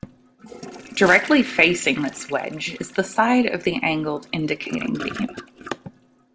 Directly facing this wedge is the side of the angled indicating beam.